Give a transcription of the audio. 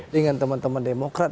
dengan teman teman demokrat